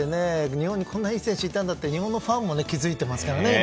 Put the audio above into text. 日本にこんないい選手がいたんだって日本のファンも気づいていますからね。